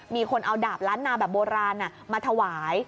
มีคนเอาดาบล้านนาแบบโบราณมาถวาย